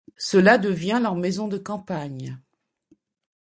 Cela devient leur maison de campagne.